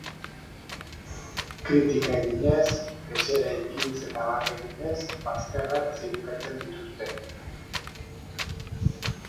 Kritika eginez, deseraikiz eta barre eginez, bazterrak zirikatzen dituzte.